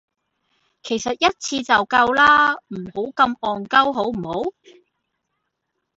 其實一次就夠啦，唔好咁戇鳩好唔好?